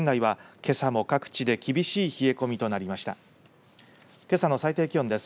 けさの最低気温です。